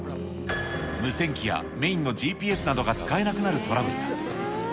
無線機やメインのＧＰＳなどが使えなくなるトラブルが。